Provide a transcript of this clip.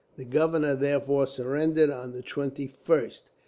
The governor, therefore, surrendered on the 21st.